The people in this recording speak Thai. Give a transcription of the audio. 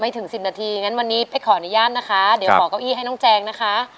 ถึงสิบนาทีงั้นวันนี้เป๊กขออนุญาตนะคะเดี๋ยวขอเก้าอี้ให้น้องแจงนะคะ